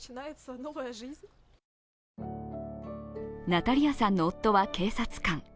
ナタリアさんの夫は警察官。